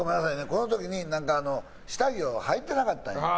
この時に下着をはいてなかったんよ。